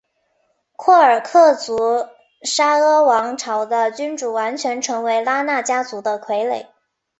廓尔喀族沙阿王朝的君主完全成为拉纳家族的傀儡。